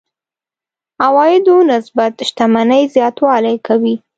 عوایدو نسبت شتمنۍ زياتوالی کوي.